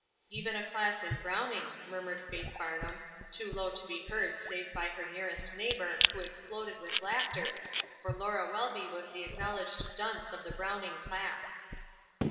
''Even a class in Browning," murmured Faith Farnham, too low to be heard save by her nearest neighbor, who exploded with laughter, for Laura Welby was the acknowledged dunce of the Browning class.